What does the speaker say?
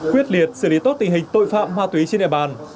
quyết liệt xử lý tốt tình hình tội phạm ma túy trên địa bàn